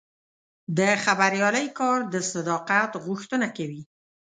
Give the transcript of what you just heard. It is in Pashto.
د خبریالۍ کار د صداقت غوښتنه کوي.